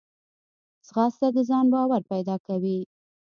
ځغاسته د ځان باور پیدا کوي